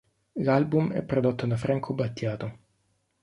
L'album è prodotto da Franco Battiato.